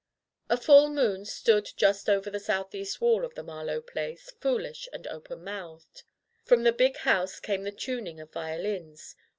The full moon stood just over the south east wall of the Marlowe place, foolish and open mouthed. From the big house came the tuning of violins.